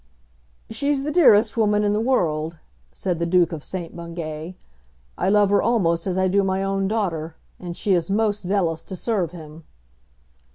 "She's the dearest woman in the world," said the Duke of St. Bungay. "I love her almost as I do my own daughter. And she is most zealous to serve him."